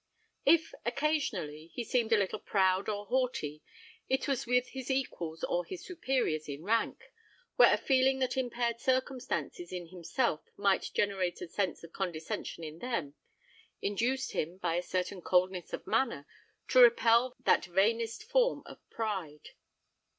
If, occasionally, he seemed a little proud or haughty, it was with his equals or his superiors in rank, where a feeling that impaired circumstances in himself might generate a sense of condescension in them, induced him, by a certain coldness of manner, to repel that vainest form of pride.